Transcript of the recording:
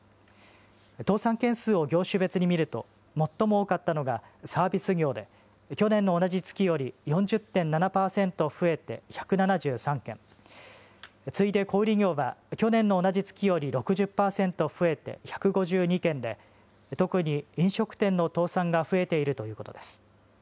倒産件数を業種別に見ると、最も多かったのがサービス業で、去年の同じ月より４０．７％増えて１７３件、次いで小売業は去年の同じ月より６０％増えて１５２件で、特に飲食店の倒産が増えているということです。